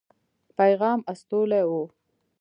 پیغام استولی وو.